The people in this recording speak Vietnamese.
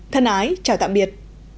thân ái chào tạm biệt